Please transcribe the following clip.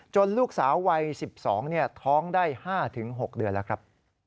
ลูกสาววัย๑๒ท้องได้๕๖เดือนแล้วครับ